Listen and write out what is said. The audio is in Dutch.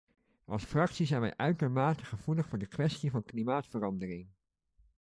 Als fractie zijn wij uitermate gevoelig voor de kwestie van klimaatverandering.